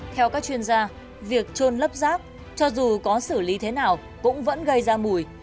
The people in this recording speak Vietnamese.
theo các chuyên gia việc trôn lấp rác cho dù có xử lý thế nào cũng vẫn gây ra mùi